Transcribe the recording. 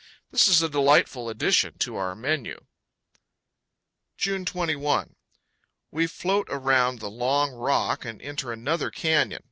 This is a delightful addition to our menu. June 21. We float around the long rock and enter another canyon.